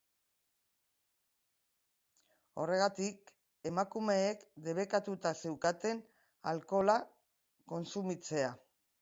Horregatik emakumeek debekatuta zeukaten alkohola kontsumitzea.